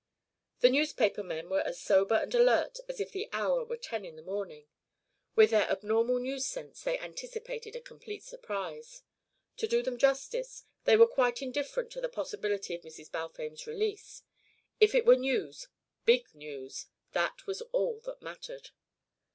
The newspaper men were as sober and alert as if the hour were ten in the morning. With their abnormal news sense they anticipated a complete surprise. To do them justice, they were quite indifferent to the possibility of Mrs. Balfame's release. If it were news, Big News, that was all that mattered.